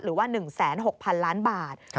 หรือว่า๑๖๐๐๐ล้านบาท